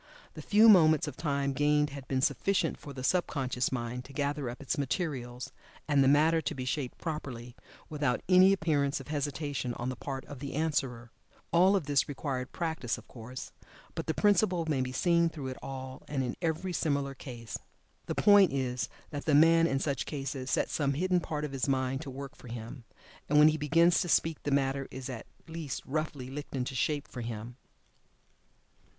The few moments of time gained had been sufficient for the sub conscious mind to gather up its materials, and the matter to be shaped properly, without any appearance of hesitation on the part of the answerer. All of this required practice, of course, but the principle may be seen through it all and in every similar case. The point is that the man, in such cases, sets some hidden part of his mind to work for him, and when he begins to speak the matter is at least roughly "licked into shape for him."